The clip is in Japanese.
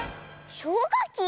しょうかき？